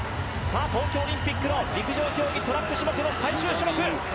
東京オリンピックの陸上競技トラック種目の最終種目。